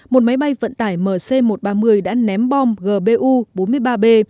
một máy bay vận tải mc một trăm ba mươi đã ném bom gbu bốn mươi ba b